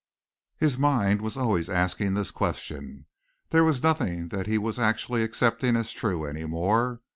His mind was always asking this question. There was nothing that he was actually accepting as true any more.